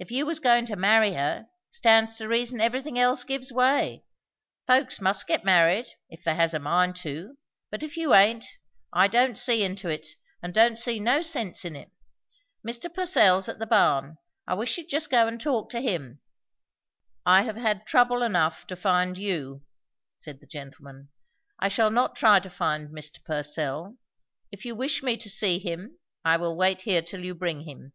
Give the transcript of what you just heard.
If you was goin' to marry her, stands to reason everything else gives way; folks must get married, if they has a mind to; but if you aint, I don't see into it, and don't see no sense in it. Mr. Purcell's at the barn. I wish you'd just go and talk to him." "I have had trouble enough to find you," said the gentleman; "I shall not try to find Mr. Purcell. If you wish me to see him, I will wait here till you bring him."